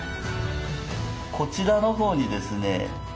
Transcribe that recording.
こちらの方にですね